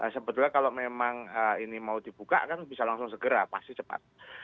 sebetulnya kalau memang ini mau dibuka kan bisa langsung segera pasti cepat